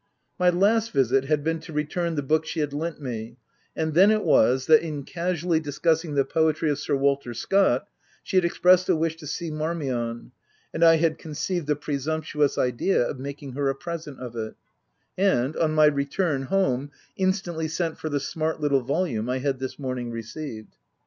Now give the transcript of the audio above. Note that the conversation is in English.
My last visit had been to return the book she had lent me ; and then it was, that, in casually discussing the poetry of Sir Walter Scott, she had expressed a wish to see " Marmion," and I had conceived the presumptuous idea of making her a present of it, and 5 on my return home, in stantly sent for the smart little volume I had this morning received.